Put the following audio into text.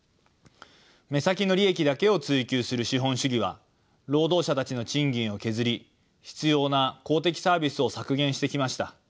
目先の利益だけを追求する資本主義は労働者たちの賃金を削り必要な公的サービスを削減してきました。